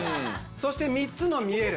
そして「３つのみえる！」